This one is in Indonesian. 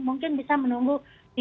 mungkin bisa menunggu tiga empat lima